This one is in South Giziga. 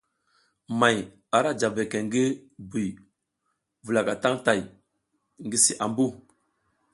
May ara ja beke ngi buy wulaka tang tay ngi si ambu.